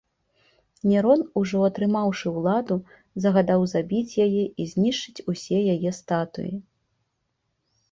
Нерон, ужо атрымаўшы ўладу, загадаў забіць яе і знішчыць усе яе статуі.